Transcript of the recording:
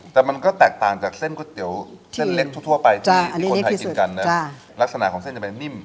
แต่มันก็แตกต่างจากเส้นก๋วยเตี๋ยวเส้นเล็กทั่วไปที่คนไทยกินกันนะลักษณะของเส้นจะไปนิ่ม